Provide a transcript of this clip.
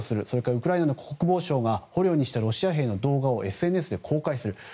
それからウクライナの国防省が捕虜にしたロシア兵の動画をＳＮＳで公開する。